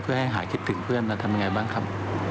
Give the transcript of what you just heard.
เพื่อให้หายคิดถึงเพื่อนเราทำยังไงบ้างครับ